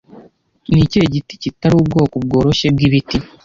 Ni ikihe giti kitari ubwoko bworoshye bwibiti